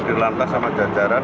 kita sama jajaran